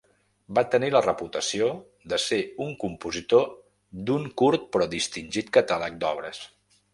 Va tenir la reputació de ser un compositor d'un curt però distingit catàleg d'obres.